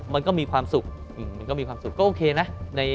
มันก็มีความสุขก็โอเคนะ